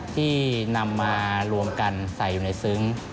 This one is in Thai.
ที่นำมารวมกันใส่อยู่ในซึ้ง